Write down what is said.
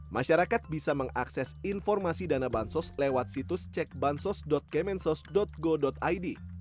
masyarakat bisa mengakses informasi dana bansos lewat situs cekbansos kemensos go id